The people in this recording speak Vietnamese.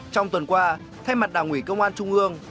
trong tuần qua thay mặt đảng ủy công an trung ương